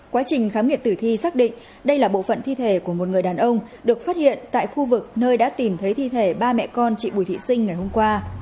quá trình khám nghiệm tử thi xác định đây là bộ phận thi thể của một người đàn ông được phát hiện tại khu vực nơi đã tìm thấy thi thể ba mẹ con chị bùi thị sinh ngày hôm qua